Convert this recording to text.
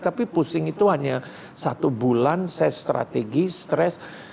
tapi pusing itu hanya satu bulan saya strategi stres